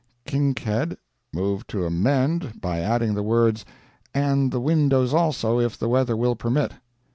Kinkead moved to amend by adding the words "and the windows also, if the weather will permit."